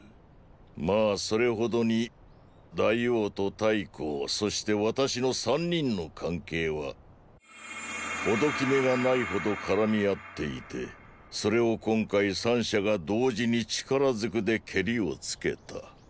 まーそれほどに大王と太后そして私の三人の関係は解き目がないほどからみ合っていてそれを今回三者が同時に力ずくでケリをつけた。